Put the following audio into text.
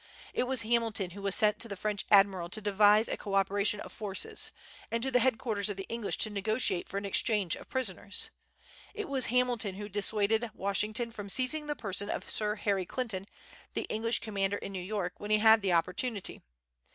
It was Hamilton who was sent to the French admiral to devise a co operation of forces, and to the headquarters of the English to negotiate for an exchange of prisoners. It was Hamilton who dissuaded Washington from seizing the person of Sir Harry Clinton, the English commander in New York, when he had the opportunity.